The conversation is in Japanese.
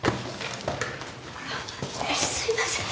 あすいません。